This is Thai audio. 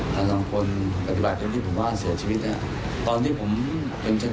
ทางคนปฏิบัติที่ผมว่าเสียชีวิตเนี่ยตอนที่ผมเป็นช่าง